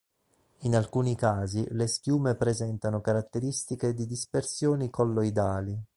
In alcuni casi le schiume presentano caratteristiche di dispersioni colloidali.